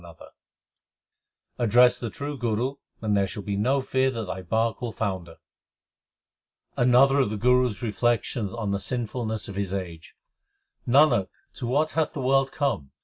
380 THE SIKH RELIGION Address the True Guru, and there shall be no fear that thy bark will founder. Another of the Guru s reflections on the sinful ness of his age : Nanak, to what hath the world come